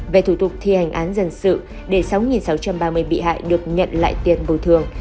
về thủ tục thi hành án dân sự để sáu sáu trăm ba mươi bị hại được nhận lại tiền bồi thường